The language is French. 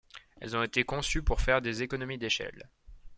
Elles ont été conçues pour faire des économies d'échelle.